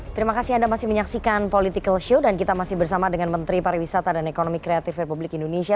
terima kasih anda masih menyaksikan political show dan kita masih bersama dengan menteri pariwisata dan ekonomi kreatif republik indonesia